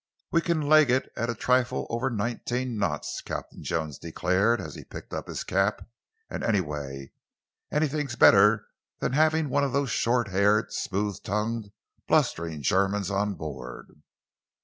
"We can leg it at a trifle over nineteen knots," Captain Jones declared, as he picked up his cap, "and, anyway, anything's better than having one of those short haired, smooth tongued, blustering Germans on board."